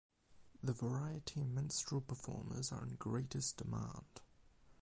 The variety and minstrel performers are in greatest demand